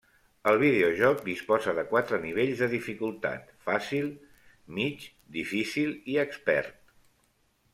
El videojoc disposa de quatre nivells de dificultat: fàcil, mig, difícil i expert.